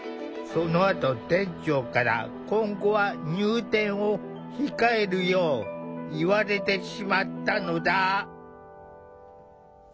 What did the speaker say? そのあと店長から今後は入店を控えるよう言われてしまったのだ。